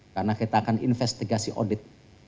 karena kita akan investigasi audit